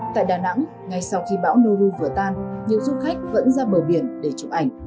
tại đà nẵng ngay sau khi bão noru vừa tan nhiều du khách vẫn ra bờ biển để chụp ảnh